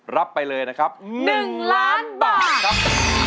รับไปเลยนะครับ๑ล้านบาทครับ